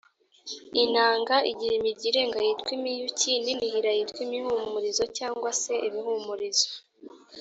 Inanga igira imirya irenga yitwa “imiyuki”n’inihira yitwa “imihumurizo”cyangwa se ibihumurizo.